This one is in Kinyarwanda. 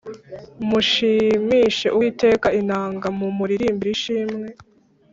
Mushimishe uwiteka inanga, mumurimbire ishimwe